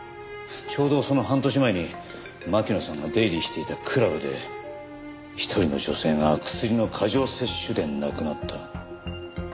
ちょうどその半年前に巻乃さんが出入りしていたクラブで一人の女性がクスリの過剰摂取で亡くなった。